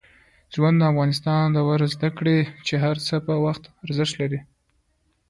ژوند انسان ته دا ور زده کوي چي هر څه په وخت ارزښت لري.